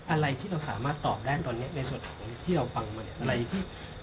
อะไรที่สามารถตอบได้ในส่วนที่เราฟังอีก